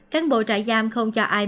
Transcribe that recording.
cán bộ trại giam không cho ai